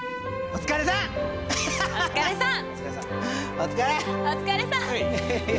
お疲れさん。